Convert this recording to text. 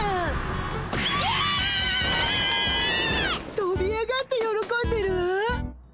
とび上がってよろこんでるわ。